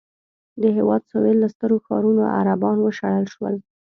د هېواد سوېل له سترو ښارونو عربان وشړل شول.